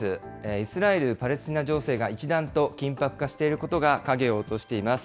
イスラエル・パレスチナ情勢が一段と緊迫化していることが影を落としています。